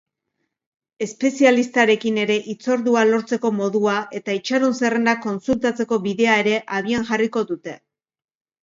Espezialistarekin ere hitzordua lortzeko modua eta itxaron-zerrendak kontsultatzeko bidea ere abian jarriko dute.